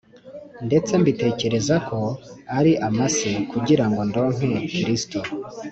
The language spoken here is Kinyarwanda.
ndetse mbitekereza ko ari amase, kugira ngo ndonke Kristo